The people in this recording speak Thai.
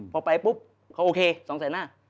พอไปปุ๊บเขาโอเค๒แสนหน้า